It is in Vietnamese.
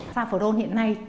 saffron hiện nay